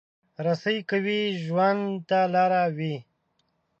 رسۍ که وي، ژوند ته لاره وي.